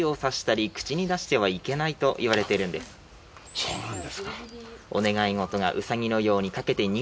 そうなんですか。